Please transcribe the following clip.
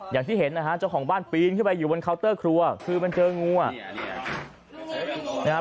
อย่างที่เห็นนะฮะเจ้าของบ้านปีนขึ้นไปอยู่บนเคาน์เตอร์ครัวคือมันเจองูอ่ะนะครับ